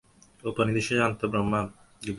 উপনিষদে আত্মা ও ব্রহ্ম সম্বন্ধে গভীর তত্ত্বের কথা আছে।